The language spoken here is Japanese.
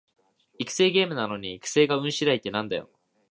育成ゲームなのに育成が運しだいってなんだよ